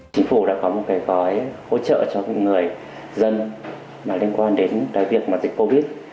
chính phủ đã có một cái gói hỗ trợ cho những người dân liên quan đến việc dịch covid